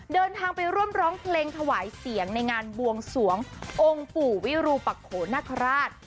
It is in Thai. เดินทางไปร่วมร้องเพลงถวายเสียงในงานบวงสวงองค์ปู่วิรูปักโขนคราช